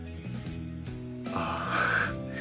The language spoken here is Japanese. ああ。